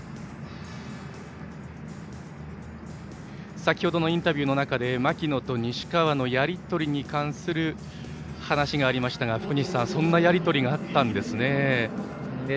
先ほどのインタビューの中で槙野と西川のやり取りに関する話がありましたが福西さん、そんなやり取りがあったんですね。